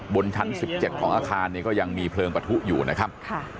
บนชั้น๑๗ของอาคารเนี่ยก็ยังมีเพลิงปะทุอยู่นะครับ